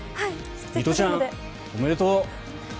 水トちゃん、おめでとう！